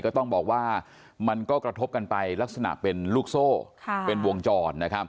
ก็ต้องบอกว่ามันก็กระทบกันไปลักษณะเป็นลูกโซ่เป็นวงจร